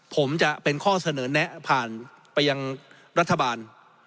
ผมจะเป็นข้อเสนอแนะผ่านไปยังรัฐบาล